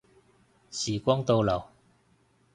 時光倒流